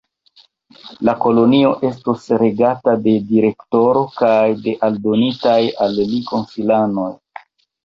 La kolonio estos regata de direktoro kaj de aldonitaj al li konsilanoj.